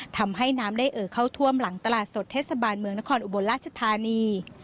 ทำให้น้ำได้เอ่อเข้าท่วมหลังตลาดสดเทศบาลเมืองนครอุบลราชธานี